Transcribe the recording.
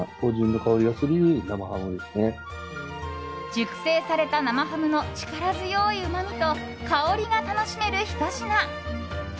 熟成された生ハムの力強いうまみと香りが楽しめるひと品。